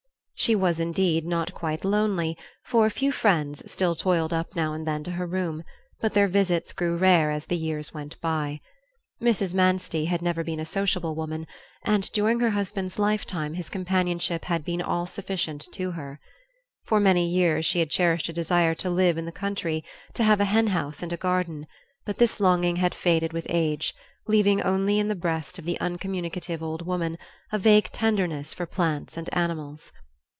She was, indeed, not quite lonely, for a few friends still toiled up now and then to her room; but their visits grew rare as the years went by. Mrs. Manstey had never been a sociable woman, and during her husband's lifetime his companionship had been all sufficient to her. For many years she had cherished a desire to live in the country, to have a hen house and a garden; but this longing had faded with age, leaving only in the breast of the uncommunicative old woman a vague tenderness for plants and animals.